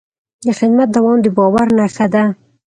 د خدمت دوام د باور نښه ده.